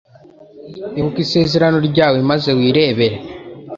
Ibuka Isezerano ryawe maze wirebere